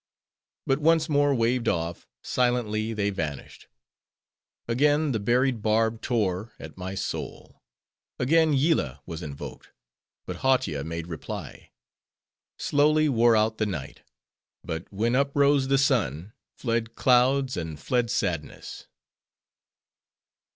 But once more waved off, silently they vanished. Again the buried barb tore, at my soul; again Yillah was invoked, but Hautia made reply. Slowly wore out the night. But when uprose the sun, fled clouds, and fled sadness.